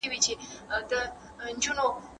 د زړونو پاکوالي سره مینه زیږیږي.